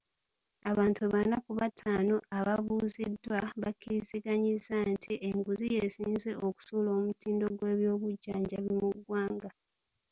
Abantu bana ku bataano abaabuuziddwa bakkiriziganyizza nti enguzi y'esinze okusuula omutindo gw'ebyobujjanjabi mu ggwanga.